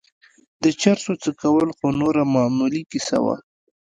د چرسو څکول خو نوره معمولي کيسه وه.